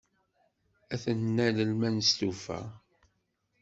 Ad t-nalel ma nestufa.